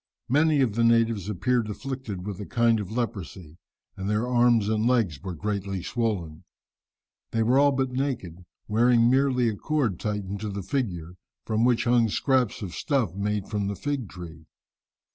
Many of the natives appeared afflicted with a kind of leprosy, and their arms and legs were greatly swollen. They were all but naked, wearing merely a cord tightened to the figure, from which hung scraps of stuff made from the fig tree.